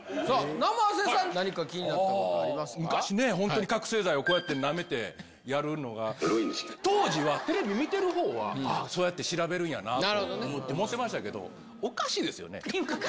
生瀬さん、何か気になったこ昔ね、本当に覚醒剤をこうやってなめてやるのは、当時はテレビ見てるほうは、あっ、そうやって調べるんやなと思ってましたけど、おかしいですよね？